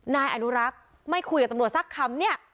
นายอนุรักษ์ไม่คุยกับตำรวจสักคำเนี่ย